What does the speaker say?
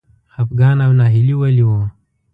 خپګان او ناهیلي ولې و؟